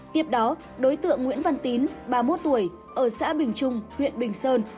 tiếp đó đối tượng nguyễn văn tín ba mươi một tuổi ở xã bình trung huyện bình sơn